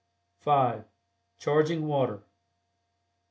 (5) CHARGING WATER.